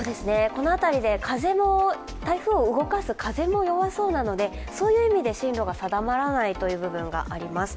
この辺りで、台風を動かす風も弱そうなのでそういう意味で進路が定まらないという部分があります。